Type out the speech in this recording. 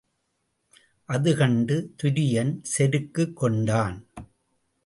அதுகண்டு துரியன் செருக்குக் கொண்டான்.